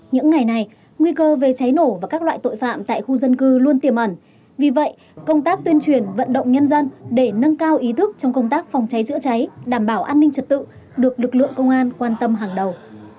những ngày này nguy cơ về cháy nổ và các loại tội phạm tại khu dân cư luôn tiềm ẩn vì vậy công tác tuyên truyền vận động nhân dân để nâng cao ý thức trong công tác phòng cháy chữa cháy đảm bảo an ninh trật tự được lực lượng công an quan tâm hàng đầu